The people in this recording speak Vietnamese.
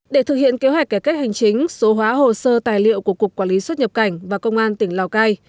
để thực hiện kế hoạch cải cách hành chính số hóa hồ sơ tài liệu của cục quản lý xuất nhập cảnh và công an tỉnh lào cai